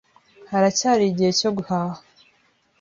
Haracyari igihe cyo guhaha.